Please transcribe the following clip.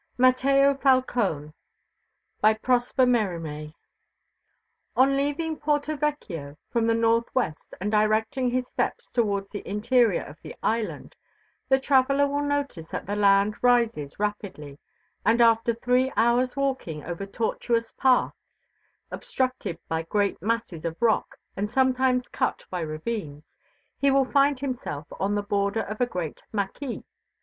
MATEO FALCONE BY PROSPER MERIMEE On leaving Porto Vecchio from the northwest and directing his steps towards the interior of the island, the traveller will notice that the land rises rapidly, and after three hours' walking over tortuous paths obstructed by great masses of rock and sometimes cut by ravines, he will find himself on the border of a great mâquis.